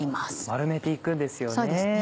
丸めて行くんですよね。